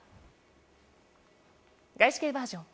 日系バージョン。